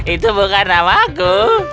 itu bukan namaku